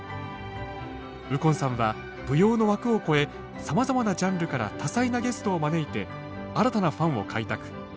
右近さんは舞踊の枠を超えさまざまなジャンルから多彩なゲストを招いて新たなファンを開拓。